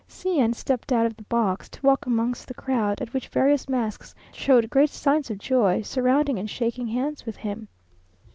C n stepped out of the box, to walk amongst the crowd, at which various masks showed great signs of joy, surrounding and shaking hands with him.